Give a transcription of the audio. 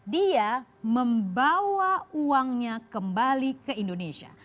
dia membawa uangnya kembali ke indonesia